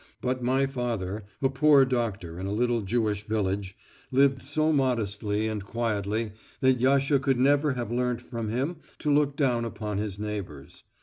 But my father, a poor doctor in a little Jewish village, lived so modestly and quietly that Yasha could never have learnt from him to look down upon his neighbours.